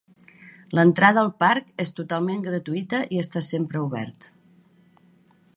L'entrada al parc és totalment gratuïta i està sempre obert.